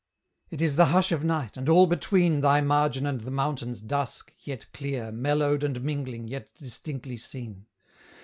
It is the hush of night, and all between Thy margin and the mountains, dusk, yet clear, Mellowed and mingling, yet distinctly seen.